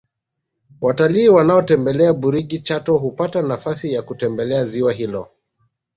Watalii wanaotembelea burigi chato hupata nafasi ya kutembelea ziwa hilo